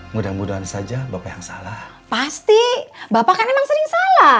mudah mudahan saja bapak yang salah pasti bapak kan emang sering salah